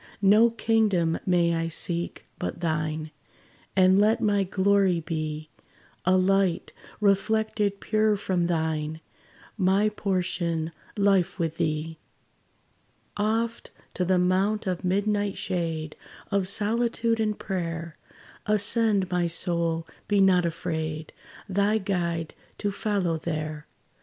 No kingdom may I seek, but thine; And let my glory be A light, reflected pure from thine My portion, life with thee! Oft to the mount of midnight shade, Of solitude and prayer, Ascend, my soul, be not afraid Thy Guide to follow there.